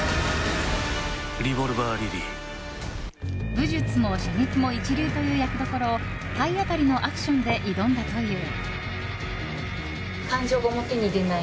武術も射撃も一流という役どころを体当たりのアクションで挑んだという。